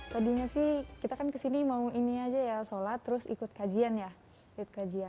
tadinya sih kita kan kesini mau ini aja ya sholat terus ikut kajian ya